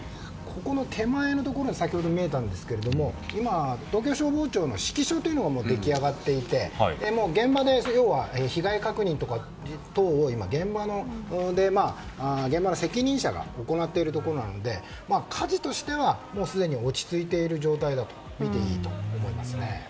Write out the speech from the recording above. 手前のところに先ほど見えたんですが今、東京消防庁の指揮所が出来上がっていてもう現場で被害確認等を現場の責任者が行っているところなので火事としてはすでに落ち着いている状態だと見ていいと思いますね。